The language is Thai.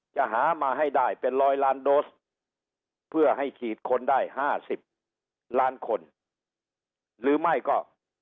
จะหามาให้ได้เป็นร้อยล้านโดสเพื่อให้ฉีดคนได้๕๐ล้านคนหรือไม่ก็